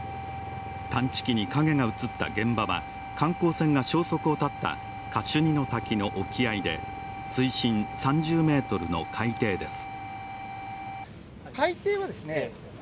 探知機に影が映った現場は観光船が消息を絶ったカシュニの滝の沖合で水深３０ｍの海底です。